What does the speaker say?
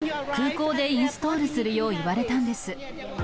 一方、観光客には。空港でインストールするよう言われたんです。